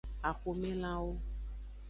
Axomelanwo.